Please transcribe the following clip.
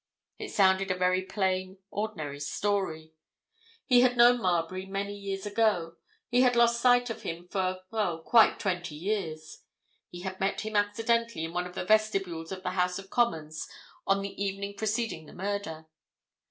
It sounded a very plain, ordinary story. He had known Marbury many years ago. He had lost sight of him for—oh, quite twenty years. He had met him accidentally in one of the vestibules of the House of Commons on the evening preceding the murder.